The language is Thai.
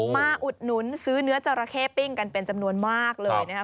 อุดหนุนซื้อเนื้อจราเข้ปิ้งกันเป็นจำนวนมากเลยนะครับ